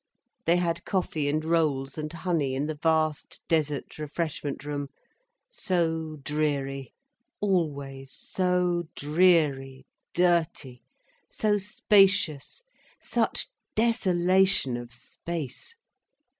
They had coffee and rolls and honey in the vast desert refreshment room, so dreary, always so dreary, dirty, so spacious, such desolation of space.